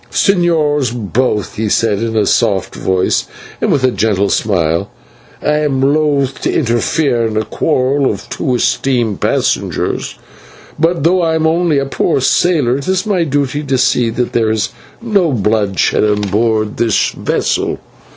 "Señors, both," he said in a soft voice and with a gentle smile, "I am loth to interfere in a quarrel of two esteemed passengers, but though I am only a poor sailor, it is my duty to see that there is no bloodshed on board this vessel.